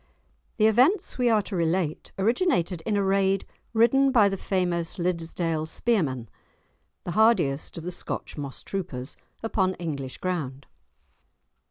The events we are to relate originated in a raid ridden by the famous Liddesdale spearmen (the hardiest of the Scotch moss troopers) upon English ground.